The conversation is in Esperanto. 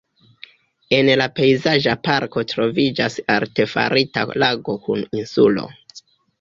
En la pejzaĝa parko troviĝas artefarita lago kun insulo.